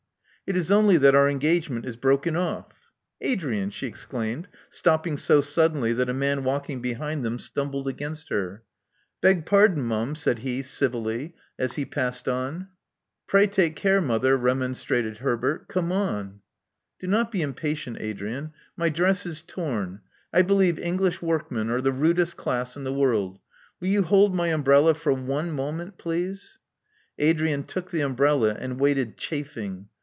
It is only that our engagement is broken off "Adrian!" she exclaimed, stopping so suddenly that a man walking behind them stumbled against her. Beg pwor'n, mum," said he, civilly, as he passed on. 2i8 Love Among the Artists Pray take care, mother," remonstrated Herbert. '*Comeon." Do not be impatient, Adrian. My dress is torn. I believe English workmen are the rudest clas& in the world. Will you hold my umbrella for one moment, pleaser' Adrian took the umbrella, and waited chafing.